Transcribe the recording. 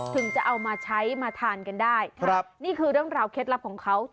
ถึงจะเอามาใช้มาทานกันได้ครับนี่คือเรื่องราวเคล็ดลับของเขา